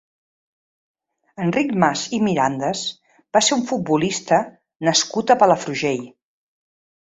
Enric Mas i Mirandes va ser un futbolista nascut a Palafrugell.